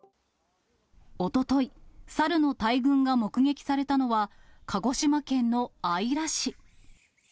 おととい、サルの大群が目撃されたのは、鹿児島県の姶良市。